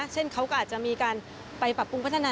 เช่นเขาก็อาจจะมีการไปปรับปรุงพัฒนา